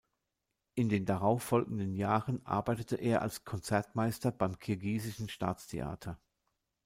In den darauf folgenden Jahren arbeitete er als Konzertmeister beim kirgisischen Staatstheater.